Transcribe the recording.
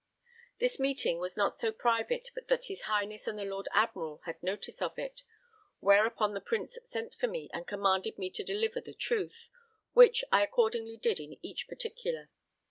This meeting was not so private but that his Highness and the Lord Admiral had notice of it, whereupon the Prince sent for me and commanded me to deliver the truth, which I accordingly did in each particular.